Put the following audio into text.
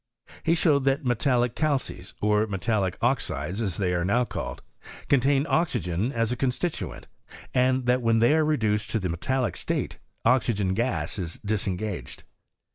He riiowed that metallic calcesy or metallic oxides, as they are now called, contain oxygen as a con stituent, and that when they are reduced to the metallic state, oxygen gas is disengaged.